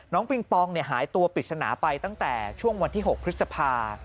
ปิงปองหายตัวปริศนาไปตั้งแต่ช่วงวันที่๖พฤษภา